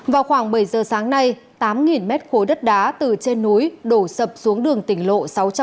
vào khoảng bảy giờ sáng nay tám mét khối đất đá từ trên núi đổ sập xuống đường tỉnh lộ sáu trăm sáu mươi